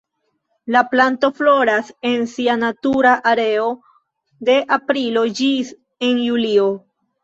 La planto floras en sia natura areo de aprilo ĝis en junio.